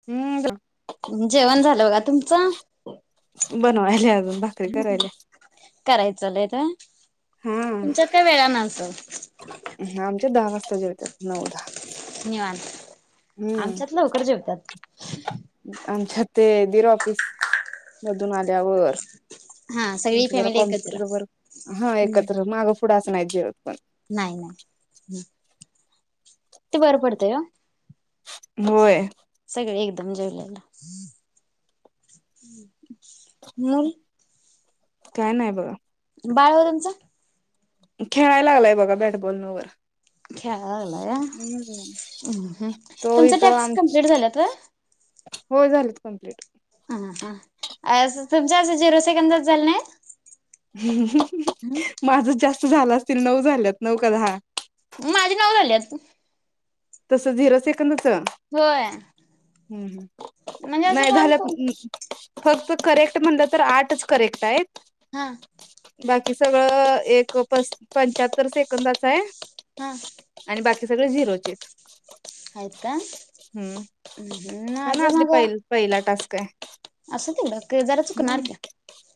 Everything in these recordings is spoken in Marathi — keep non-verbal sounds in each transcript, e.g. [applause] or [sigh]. [unintelligible] जेवण झालं बघा. तुमचं? बनवायले अजून, भाक करायचलय तर. हा तुमच्यात काय वेळानं आलतो. आमच्या दहा वाजता जेवतात. नऊ, दहा. निवांत हम्म. आमच्यात लवकर जेवतात. आमच्यात ते, दिर ऑफिस स मधून आल्यावर. हा सगळी त्यांचं जरा फॅमिली एकत्र कॉम्प्युटरवर, हा हम्म एकत्र. मागं- पुुढं असं नाही जेवत पण. नाही, ना. ते, बरं पडतंय ओ. होय. सगळे एकदम जेवलेत मूल. काय नाही बघा. बाळ हो तुमचं? खेळायलागलंय बघा बॅटबॉल न वर. खेळायला लागलाय हम्म व्हय हम्म. तो तुमच टॅक्स कंप्लीट झाल्यात होय? होय झालेत कम्प्लीट. ह हा अस तुमच्या असं झिरो सेकंदात झाले नाहीत? माझच जास्त झालं असतील नऊ झाल्यात नऊ का दहा. माझे नऊ झाल्यात. तस झिरो सेकंदच? होय हम् म्हणजे हम् असं नाही कॉल झाल्या कोण फक्त करेक्ट म्हणलं तर आठच करेक्ट आहेत. हा बाकी सगळं एक प पंच्याहत्तर सेकंदाच आहे. हा आणि बाकी सगळे झिरोचे हायत. आहेत का कारण माझ आज मग पहिल पहिला टास्क आहे. असूदे तिकडं जरा चुकणार की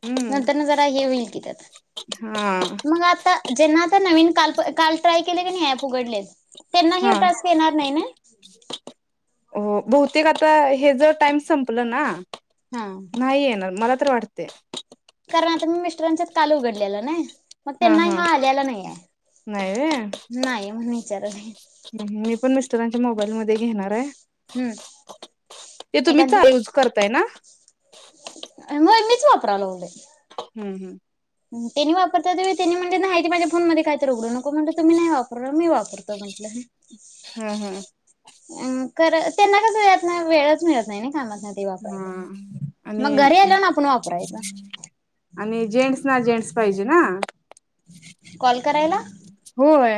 हम्म. नंतर न जरा हे होईल कि त्यात, हा म आता ज्यांना आता नवीन काल काल ट्राय केलय कणी ॲप उघडलय हा हो बहुतेक आता हेज टाइम संपलं ना, हा नाही येणार मला तर वाटतय. कारण आता मी मिस्टरांच्या काल उघडलेलं नई, मग त्यांना हा आल्याला नाही नाही व्हय आहे नाही म्हणुन विचारले. मी पण मिस्टरांच्या मोबाईल मध्ये घेणार आहे ते तुम्ही एखादी चालूच करताय ना? होय मीच वापराय लागलोय. हम् हम् त्यांनी वापरता ते त्यांनी म्हणजे नाहीती माझ्या फोन मध्ये काय तर उघडू नको म्हणल तुम्ही नाही वापर मी वाप रतो म्हटलं. हम् हम् अ खर त्यांना कस यातन वेळतच मिळत नाही नई कामातन ते हा वापरायला मग आणि घरी आल्यावर ना आपण वापरायच. आणि जेंट्स ना जेंट्स पाहिजे ना. कॉल करायला? होय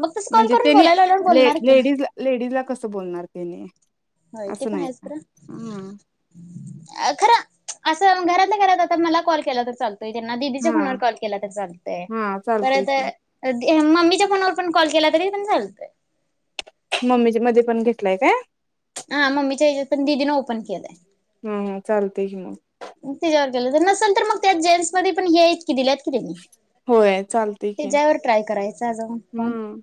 मग तसं कॉल म्हणजे करून त्यानी बोलायला लावल्यावर बोलणार की लेडीज लेडीज ला कसं बोलणार त्यांनी, असं नाय हम्म. अ खर असं घरातल्या घरात आता मला कॉल केला तर चाल तय त्यांना दिदीच्या हा हा फोनावर कॉल केला तर चालतय हा चालतय परत की मम्मीच्या फोनवर पण कॉल केला तरी पण चालतोय. मम्मीच्या मध्ये पण घेतलाय काय? हा मम्मीच्या याच्यात पण दीदीनं ओपन केलंय. हम चालतंय की तिच्यावर गेलं नसल तर मग त्यात जेंट्स मध्ये पण येईल. कि दिल्यात कि त्यांनी होय चालतय की त्याच्यावर ट्राय करायच जाऊ फोन हम्म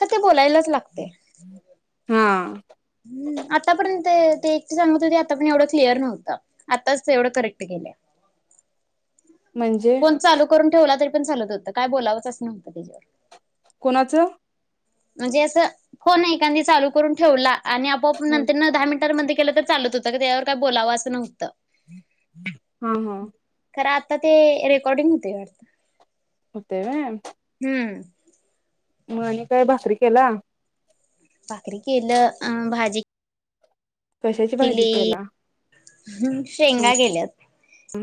तर ते बोलायलाच लागतंय. हा हम् आता पर्यंत ते ते एक ते सांगत होते आता पण एवढा क्लिअर नव्हतं. आताच ते एवढं करेक्ट केेल्या. [inaudible] म्हणजे फोन चालू करून ठेवला तरी पण चालत होत काय बोलावंच नव्हतं त्याच्यावर कुणाचं म्हणजे असं फोन एखांदी चालू करून ठेवला आणि आपोआप हा नंतरन दहा मिनिटांन बंध केला तर चालत होत ग त्यावर काही बोलावं असं नव्हतं. हम्म हम्म खरं आता ते रेकॉर्डिंग होतय वाटतं. हुंतय व्हय हम्म मग आणि काय भाकरी केल्या. भाकरी कलं अ भाजी. कशाची भाजी केला. हम् हम्म शेंगा केल्यात.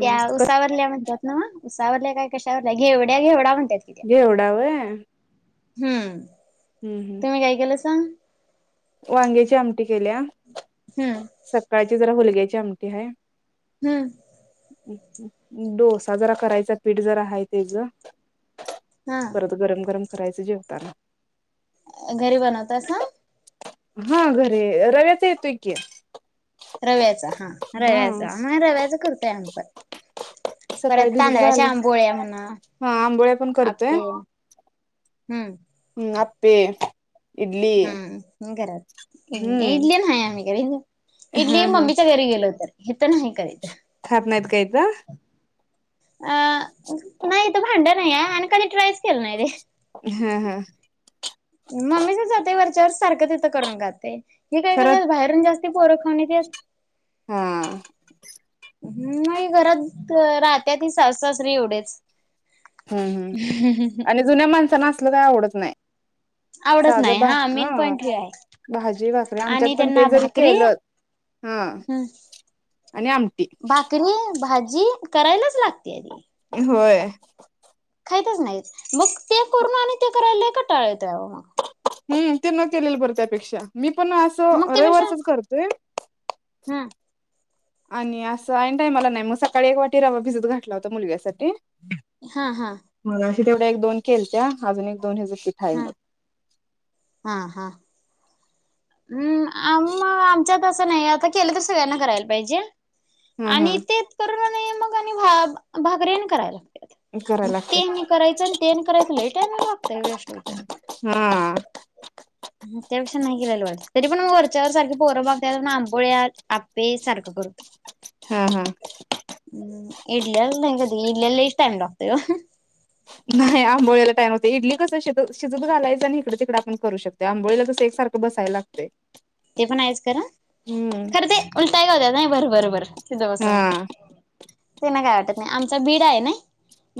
त्या ऊसावरल्या म्हणत्यात नव्ह उसावरल्या काय कशावरल्या घेवडा घेवडा म्हणत्यात. घेवडा व्हय? हम्म हम हम तुम्ही काय केलंसा वांग्याची आमटी केल्या हम्म‌ सकाळची जरा हुलग्याची आमटी आहे. हम्म डोसा जरा करायचा पीठ जरा आहे तेच. हा परत गरम गरम करायचं जेवताना घरी बनवतायसा? हा घरी रव्याचा येतोय की रव्याचा हां रव्याचा हा हां रव्याचा करतोय आम्हीपण परत सकाळी भिजत तांदळाच्या घालून आंबोळ्या म्हणा हा आंबोळ्या पण करतोय आप्प हम्म हम् आप्पे इडली हम् घरात इडली हम्म इडली नाही आम्ही करीत. इडली हा हा मम्मीच्या घरी गेलो तर हिथ नाही करीत. खात नाहीत का इथं? अं नाही हिथ भांड नाहीये अन कधी ट्रायच नाही केलं ते. हा हा मम्मीच्यात जातोय वरच्यावर सारखं तिथं करून खातोय खरंच [unintelligible] हेरून जास्ती पोरं खाऊन येत्यात. हा. हम्म, नाही घरात राहत्यात ही सासू सासरं एवढेच. हूं हम्म, आणि जुन्या माणसांना असलं कायं आवडत नाय. आवडत साधं नाही भा, हा मेन ह, पॉईंट हे आहे भाजी, भाकरी आमच्यात आणि पण ते त्यांना जरी भाकरी केलं हा हम्म आणि आम भाकरी, भाजी करायलाच लागते. आणि होय. खाईतच नाहीत. मग ते करून आणि ते करायला लई कटाळा येतोय आहो मग हम्म, ते न केलेलं बरं त्यापेक्षा, मी पण असं रविवारचच करते. हं आणि असं ऐन टायमाला नाय म सकाळी एक वाटी रवा भिजत घातला होता. मुलग्यासाठी हा हा मगाशी तेवढ्या एक दोन केलत्या. अजून एक दोन ह्याज पीठ आहे हं मग हा हा हम्म, आम म आमच्यात असं नाय, आता केलं त सगळ्यांना करायला पाहिजे. हा हा आणि तेत करून आणि मग आणि भा भाकरी आणि करायला लागत्यात. करायला मग ते लागतात आणि करायचं आणि ते आणि करायचं लय टाईम लागतय वेस्ट होतय. हा त्यापेक्षा नाय केलेला वाटत, तरी पण म वरच्यावर सारखे पोहर बघात्यात आंबोळ्या, आपे सारखं कर हा हा इडल्यालं नाही कधी, इडल्यालं लईच टाईम लागतोया. नाही. आंबोळला टाइम होते. इडली कसं शत शिजत घालायच. आणि इकड तिकड आपण करू शक त्या आंबोळीला कसं एक सारखं बसायला लागतय. एकोणावीस करा हा, खरं ते उलटाय [unintelligible] नाय, बरं बरं बरं, तिद बसन हा तेनं काय वाटत नाय. आमचा बीड आय नय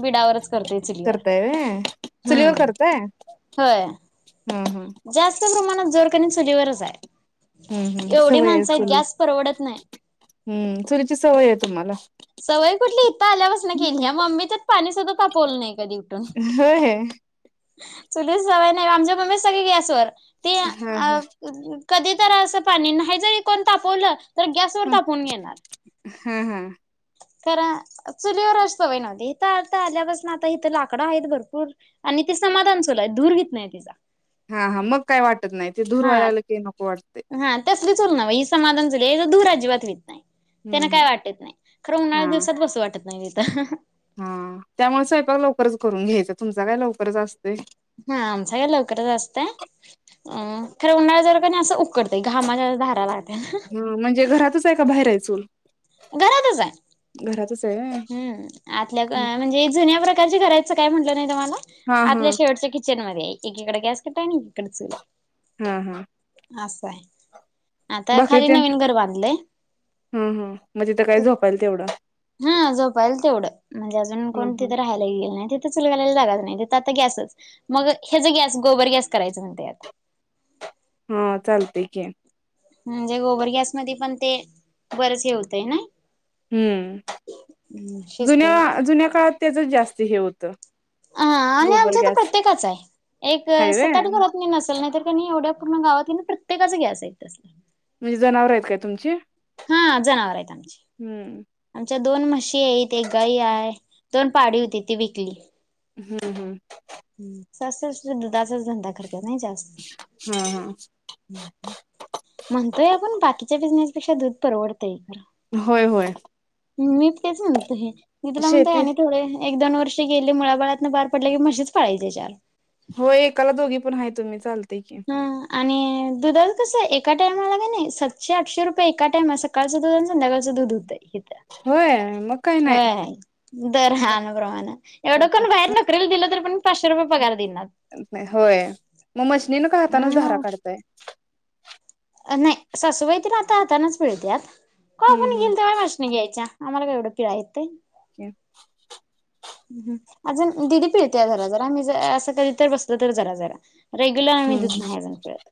बीडावर करते चुलीवर करताय व्हय हम्म, होय. हूं हूं जास्त प्रमाणात जेवणं कनाय चुलीवरच आय. हम्म हम्म एवढी सवय आहे माणस येत. चुली गॅस परवडत नाय. हम्म, चुलीची सवय ये तुम्हाला सवय कुठली इथं आल्या पासना केलीया मम्मीच्यात पाणी सुद्धा तापवलं नाय कधी हो होय. चुलीच सवय नाय, आमच्या मम्मीच सगळे गॅसवर, ते हा हा अ कधी तर असं पाणी, न्हाय जरी कोण तापवलं तर गॅसवर तापून घेणार. हं हा खरं, चुलीवरच सवय नव्हती. इथं आता आल्यापासना आता इथं लाकडं आहेत भरपूर आणि ती समाधान चुल आहेत. धूर होत नाहीत तिजा हा हा, मग काय वाटत नाय, ते धूर हा व्हायला लागलं की नको वाटतय. हा तसली चूल लावा, ही समाधान चूल, याजा धूर अजिबात होईत नाय. त्यांन हम्म काय हम्म वाटत नाय. खरं उन्हाळ्याच्या हा दिवसात बसू वाटत नाय तीत हा, त्यामुळ स्वयंपाक लवकरच करून घ्यायचां. तुमचा काय लवकरच असतोय. हा आमचा काय लवकरच असतं. अ खरं उन्हाळ्या जर का नाय असं उकडत घामाच्या धारा लागत्या. हं म्हणजे घरातच हाय, का बाहेर हाय चूल घरातच आहे. घरातच आहे होय. हम आतल्या म्हणजे जुन्या प्रकारची घरांच काय म्हटलं नाही तुम्हाला हा आपल्या शेवटच कि- चनमध्ये एकीकडे गॅस कट्टा आहे आणि इकड चूल आहे. हा हा. असं आहे आता खाली नवीन घर बांधलंय. हम हम मग तिथं काय झोपायल तेवढं- हा झोपायला तेवढं म्हणजे अजून हा कोण हा तिथं राहिला- नाही तिथ चूल घालायला जागाच नाही तिथं आता गॅसच मग हेच गॅस गोबर गॅस करायच म्हणते आता- हा चालते की- म्हणजे गोबर गॅसमध्ये पण ते बरच हे होतय ना- हम्म शिजतंय जुन्या जुन्या काळात त्याचच जास्त हे होतं. हा आणि गोबर आमच्या हित गॅस प्रत्येकाच आहे एक हाय व्हय सताट घर- नसल नाही तर एवढ्या पुर्ण गावात प्रत्येकाच गॅस आहेत तसल- म्हणजे जनावर आहेत काय तुमचे? हा जनावर आहेत आमची आमच्या दोन म्हशी आहेत एक गई आहे. दोन पाडी होती ती विकली. हम्म हम्. सासू-सासरे दुधाचाच धंदा करत्यात नाय जास्त. हम् हम. म्हणतोय आपण बाकीच्या बिझनेस पेक्षा दूध परवडतंय खरं. होय होय. हम मी तेच म्हणतोय मी तुला म्हणतोय शेती आणि थोडे- एक दोन वर्षी गेले मुलाबाळातं पार पडले की म्हशीच पळायचे चार- होय एकाला दोघी पण आहे तु मी चालते की, ह आणि दुधााच कसं एका टायमाला क नाही सातशे आठशे रुपये एका टाइम असं, सकाळचं दूध आणि संध्याकाळच दूध होतंय इथं. होय मग काय नाही. दर हान प्र्रमाण एवढं कोण बाहेर नोकरीला दिलं तर पण पाचशे रुपये पगार देनार. होय मग मशनीन का हाताानच धारा मग काढताय. नाही सासू बाई त आता हातानाच पिळतेत कवा हम्म पण गेल हम्म तेव्हा म- नाही घ्यायच्या आम्हाला काय एवढं पिळायला येतय. [inaudible] अजुन दिदी पिळते जरा जरा मी असं कधी तर बसलं तर जरा जरा. रेग्युलर आम्ही दूध नाही जावुन पिळत.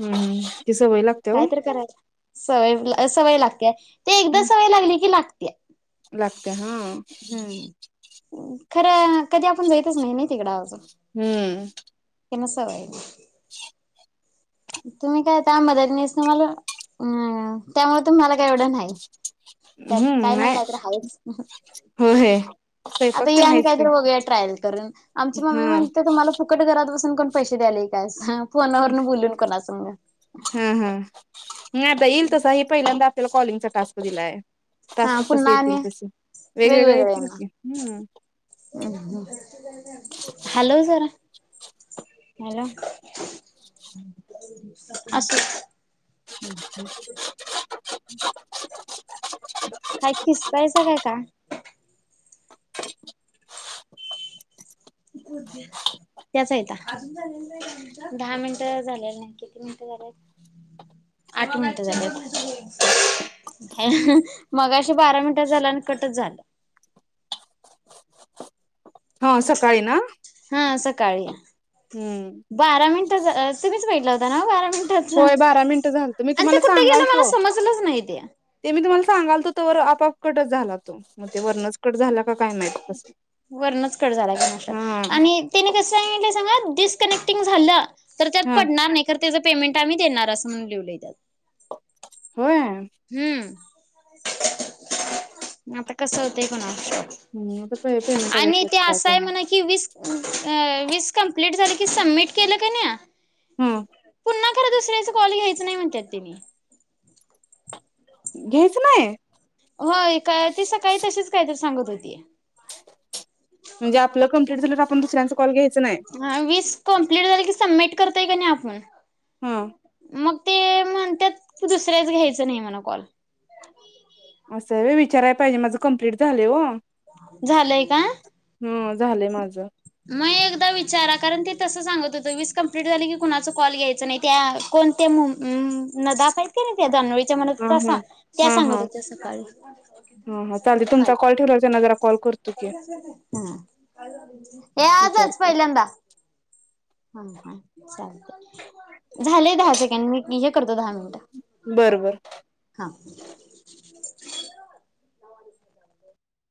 हम् हम ति सवय लागती. कायतरी करायला सवय सवय लागतेय ती एकदा सवय लागली की लागतीया. लागत्या हो- खरं कधी आपण जायतच नाही ना तिकड अजून- हम्म. त्यंना सवय नाही तुम्ही काय आता आम्हा- [inaudible] त्यामुळे तुमला काय एवढं नाही. त्यात काय नाही काय तर हायचं. होय स्वयंपाक आता ये तेन आणि हायच की काहीतरी बघुया ट्रायल करून आमची हा मम्मी म्हणते तुम्हाला- फुकट घरात बसून कोण पैसे द्याले काय फोनावरन बोलून कोणा संग मग, ह हा नाही आता येईल तसा हे पहिल्यांदा आपल्याला कॉलिंगचा टास्क दिलाय हा टास्क कस पुन्हा येतील आणि तस वेगवेगळ येतील की हम्म हम् हम् हालव जरा हॅलो- असू दे काय किसतायचा काय का? त्याच हायता, दहा मिनिट झाले नकी आठ मिनट झाल्यात मग मगाशी बारा मिनिटं झालं आणि कटच झालं हा सकाळी ना हा सकाळी हम्म बारा मिनिट सगळं भेटला होता ना बारा मिनट तेच होय बारा मिनिटं झालत मी आणि ते तुम्हाला कुठे गेलं मला सांगालतो समजलंच नाही ते ते मी तुम्हाला सांगाल तो तर व आपापकटच झाला तो मग ते वर्णच कट झाला का काय माहित कसं वरनच कट झाला कामाशा हा आणि त्याने कसं स सांगा डिस्कनेक्टिंग झालं तर त्यात हा पडणार नाही. तर त्याचं पेमेंट आम्ही देणार असं म्हून लिहिवलय होय हम्म, आता कसं होतंय कोणा हम् आता पेमेंटाय शिव काय कर कि वीस कंप्लीट झालं सबमिट केलं का नाही हा पुन्हा खरं दुसऱ्याच कॉल घ्यायच नाही म्हणतात ते घ्यायच नाही हो का? ती सकाळी तशीच कायत सांगत होती म्हणजे आपलं कंप्लीट झाला तर आपण दुसऱ्यांचा कॉल घ्यायचं नाही. हा वीस कंप्लीट झाली की सबमिट करताय का नाही आपण हम्म मग ते म्हणतात दुसऱ्याच घ्यायचं नाही म्हण कॉल असं विचारायला पाहिजे माझं कप्लीट झालं हो झालंय का? हम् झालंय माझं मग एकदा विचारा कारण ते तसं सांगत होतं वीस कंप्लीट झाली की कॉल घ्यायच नाही त्या कोण ते नदाफ आहेत नाही त्या दानोळीच्या मनात हां हां त्या हां हां सांगत सकाळी काल तेवढ जरा जरा कॉल कर हम, ए आजच विचारतो पहिल्यांदा हा हा चालते झालेय दहा सेकंड मी हे करतो दहा मिनिट बर बर हा